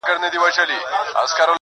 پور د ميني لور دئ.